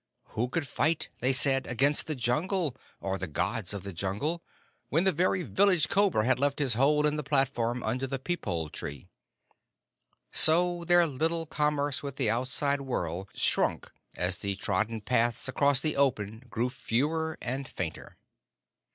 Who could fight, they said, against the Jungle, or the Gods of the Jungle, when the very village cobra had left his hole in the platform under the peepul tree? So their little commerce with the outside world shrunk as the trodden paths across the open grew fewer and fainter.